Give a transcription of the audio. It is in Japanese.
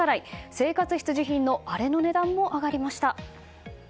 生活必需品のあれの値段も上がりました。